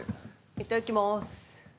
いただきます。